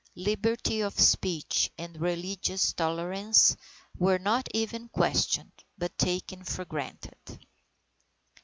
Liberty of speech and religious tolerance were not even questioned, but taken for granted.